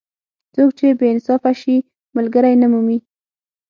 څوک چې بې انصافه شي؛ ملګری نه مومي.